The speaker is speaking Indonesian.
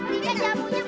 tunggu bentar bentar lo